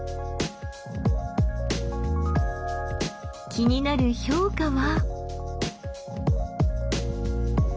気になる評価は。